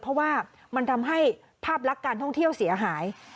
เพราะว่ามันทำให้ภาพลักษณ์การท่องเที่ยวเสียหาย